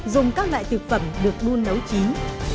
dùng các loại thực phẩm được đun nấu chín